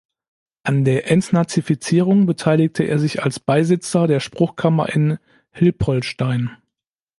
An der Entnazifizierung beteiligte er sich als Beisitzer der Spruchkammer in Hilpoltstein.